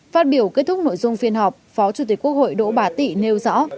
phát biểu kết thúc nội dung phiên họp phó chủ tịch quốc hội đỗ bà tị nêu rõ